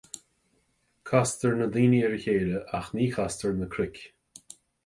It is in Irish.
Castar na daoine ar a chéile, ach ní chastar na cnoic